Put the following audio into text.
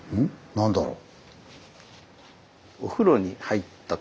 何だろう。